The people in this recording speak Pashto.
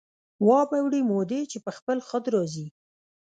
وابه وړي مودې چې په خپل خود را ځي